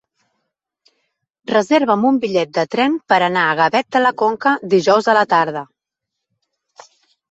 Reserva'm un bitllet de tren per anar a Gavet de la Conca dijous a la tarda.